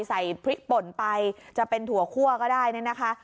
ใส่พริกป่นไปจะเป็นถั่วคั่วก็ได้เนี่ยนะคะ